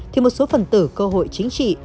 thì một số phần tử cơ hội chính trị